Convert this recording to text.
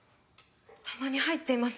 たまに入っています。